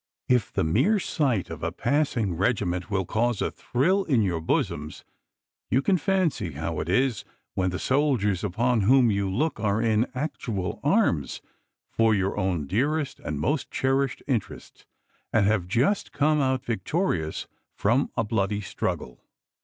If the mere sight of a passing regiment will cause a thrill in your bosoms, you can fancy how it is when the soldiers upon whom you look are in actual arms for your own dearest and most cherished interests, and have just come out victorious from a bloody struggle.